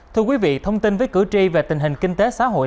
thưa quý vị thông tin với cử tri về tình hình kinh tế xã hội